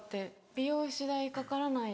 「美容師代かからない」。